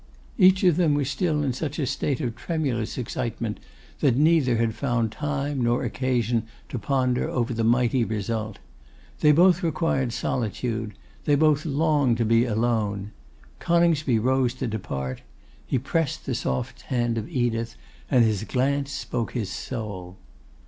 Each of them was still in such a state of tremulous excitement, that neither had found time or occasion to ponder over the mighty result. They both required solitude; they both longed to be alone. Coningsby rose to depart. He pressed the soft hand of Edith, and his glance spoke his soul.